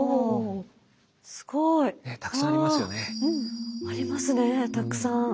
うん。ありますねたくさん！